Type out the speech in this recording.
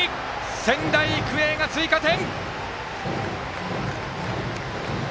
仙台育英が追加点！